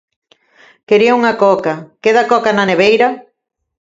_Quería unha Coca, ¿queda Coca na neveira?